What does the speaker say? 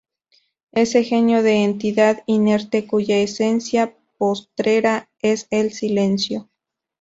ese genio de entidad inerte cuya esencia postrera es el silencio